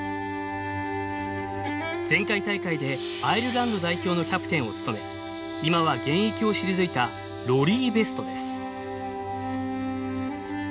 前回大会でアイルランド代表のキャプテンを務め今は現役を退いたロリー・ベストです。